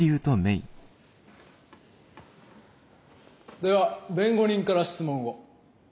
では弁護人から質問を。